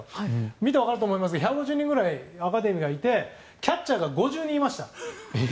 見て分かると思いますが１５０人ぐらいアカデミーいてキャッチャーが５０人いました。